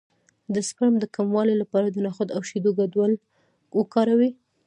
د سپرم د کموالي لپاره د نخود او شیدو ګډول وکاروئ